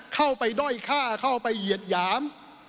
เข้าไปด้อยฆ่าเข้าไปเหยียดหยาม